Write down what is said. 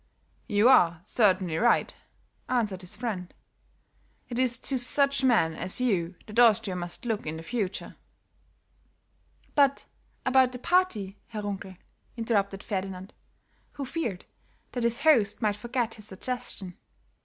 "You are certainly right," answered his friend. "It is to such men as you that Austria must look in the future." "But about the party, Herr Runkel," interrupted Ferdinand, who feared that his host might forget his suggestion.